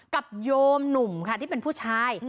โยมหนุ่มค่ะที่เป็นผู้ชาย